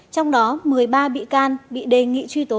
trong đó một mươi ba bị can bị đề nghị truy tố